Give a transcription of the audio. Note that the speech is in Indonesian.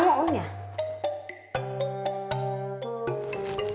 gemoy gemoy udah bangun